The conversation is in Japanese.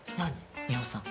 美穂さん。